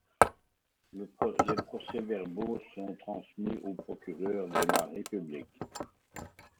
Les procès-verbaux sont transmis au Procureur de la République.